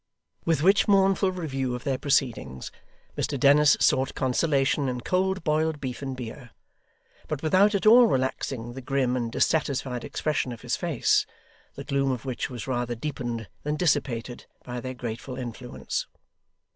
With which mournful review of their proceedings, Mr Dennis sought consolation in cold boiled beef and beer; but without at all relaxing the grim and dissatisfied expression of his face, the gloom of which was rather deepened than dissipated by their grateful influence.